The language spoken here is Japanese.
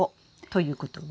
ということは？